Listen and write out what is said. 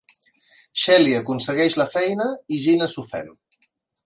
Shelley aconsegueix la feina i Geena s'ofèn.